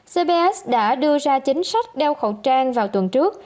cbs đã đưa ra chính sách đeo khẩu trang vào tuần trước